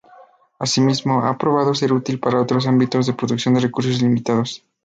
Asimismo, ha probado ser útil para otros ámbitos de producción de recursos limitados.